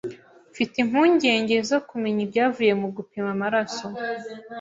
Mfite impungenge zo kumenya ibyavuye mu gupima amaraso.